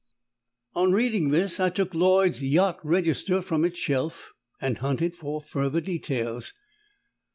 On reading this I took Lloyd's Yacht Register from its shelf, and hunted for further details.